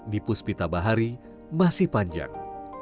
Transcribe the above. di puspita bahari masih panjang